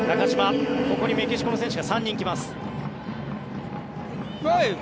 ここにメキシコの選手が３人来ます。